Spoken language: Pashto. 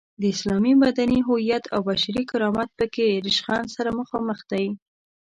د اسلام مدني هویت او بشري کرامت په کې له ریشخند سره مخامخ دی.